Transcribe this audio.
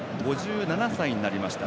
５７歳になりました。